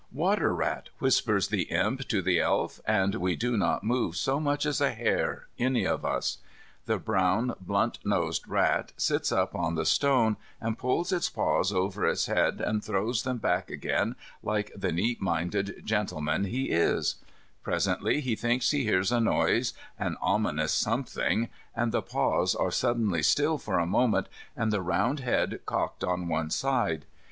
"Water rat," whispers the Imp to the Elf, and we do not move so much as a hair, any of us. The brown, blunt nosed rat sits up on the stone and pulls its paws over its head and throws them back again, like the neat minded gentleman he is, Presently he thinks he hears a noise, an ominous something, and the paws are suddenly still for a moment, and the round head cocked on one side.